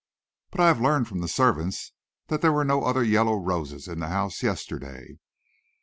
"But I have learned from the servants that there were no other yellow roses in the house yesterday."